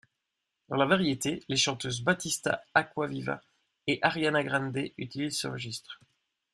Dans la variété, les chanteuses Battista Acquaviva et Ariana Grande utilisent ce registre.